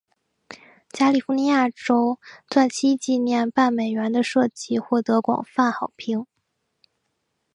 加利福尼亚州钻禧纪念半美元的设计获得广泛好评。